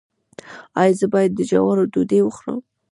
ایا زه باید د جوارو ډوډۍ وخورم؟